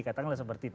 katakanlah seperti itu